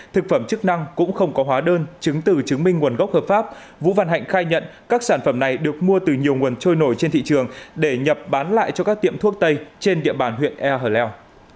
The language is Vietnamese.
thực phẩm chức năng cũng không có hóa đơn chứng từ chứng minh nguồn gốc hợp pháp vũ văn hạnh khai nhận các sản phẩm này được mua từ nhiều nguồn trôi nổi trên thị trường để nhập bán lại cho các tiệm thuốc tây trên địa bàn huyện ea hở leo